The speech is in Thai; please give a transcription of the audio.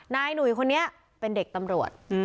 หนุ่ยคนนี้เป็นเด็กตำรวจ